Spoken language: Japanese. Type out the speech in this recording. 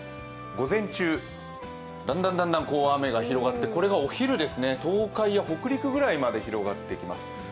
午前中、だんだんだんだん雨が広がって、これがお昼、東海や北陸ぐらいまで広がっていきます。